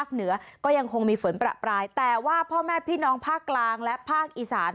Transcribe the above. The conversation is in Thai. เหนือก็ยังคงมีฝนประปรายแต่ว่าพ่อแม่พี่น้องภาคกลางและภาคอีสาน